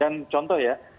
dan contoh ya